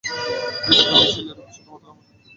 দ্বিতীয়ত, মিশেলের উপর শুধুমাত্র আমার অধিকার থাকবে।